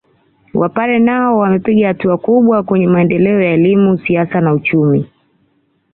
Wapare nao wamepiga hatua kubwa kwenye maendeleo ya elimu siasa na uchumi